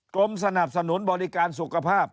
กรมสนับสนุนบริการสุขภาพ